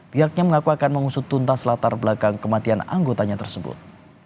pihaknya mengaku akan mengusut tuntas latar belakang kematian anggotanya tersebut